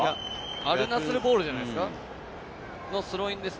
アルナスルボールじゃないですか？